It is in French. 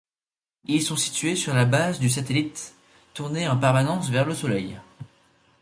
Ils sont situés sur la base du satellite tournée en permanence vers le Soleil.